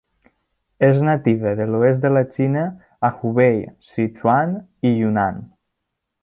És nativa de l'oest de la Xina, a Hubei, Sichuan i Yunnan.